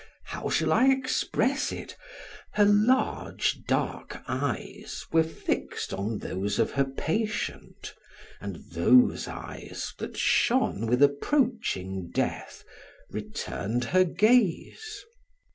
How shall I express it? Her large, dark eyes were fixed on those of her patient, and those eyes, that shone with approaching death, returned her gaze.